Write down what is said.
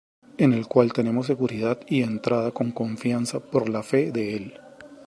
En el cual tenemos seguridad y entrada con confianza por la fe de él.